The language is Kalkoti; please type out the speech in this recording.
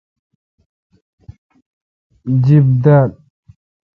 جِیب دال۔